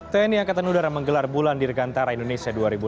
tni angkatan udara menggelar bulan dirgantara indonesia dua ribu delapan belas